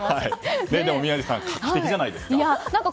宮司さん画期的じゃないですか？